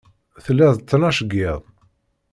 Tella d ttnac n yiḍ.